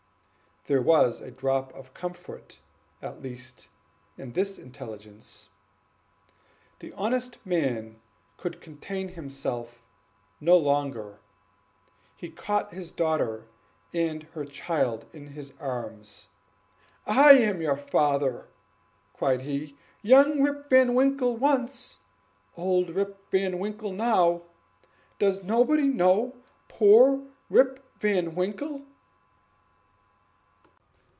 There was a drop of comfort, at least, in this intelligence. The honest man could contain himself no longer. He caught his daughter and her child in his arms. "I am your father!" cried he "Young Rip Van Winkle once old Rip Van Winkle now! Does nobody know poor Rip Van Winkle?"